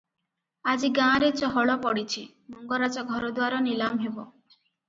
ଆଜି ଗାଁରେ ଚହଳ ପଡ଼ିଛି, ମଙ୍ଗରାଜ ଘରଦ୍ୱାର ନିଲାମ ହେବ ।